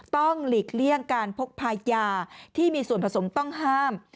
หลีกเลี่ยงการพกพายาที่มีส่วนผสมต้องห้าม